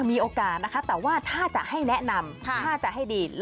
มีโอกาสนะคะแต่ว่าถ้าจะให้แนะนำถ้าจะให้ดี